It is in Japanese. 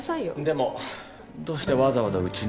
でもどうしてわざわざうちに？